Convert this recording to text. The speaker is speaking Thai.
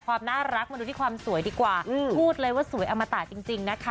ความน่ารักมาดูที่ความสวยดีกว่าพูดเลยว่าสวยอมตะจริงนะคะ